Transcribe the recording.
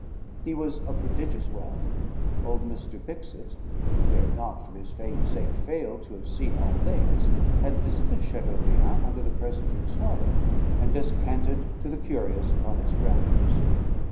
He was of prodigious wealth: old Mr. Bicksit, who dared not, for his fame's sake, fail to have seen all things, had visited Chateaurien under the present Duke's father, and descanted to the curious upon its grandeurs.